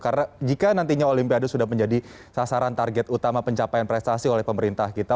karena jika nantinya olimpiade sudah menjadi sasaran target utama pencapaian prestasi oleh pemerintah kita